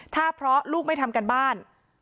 ถ้าเพราะลูกไม่ทำการบ้าน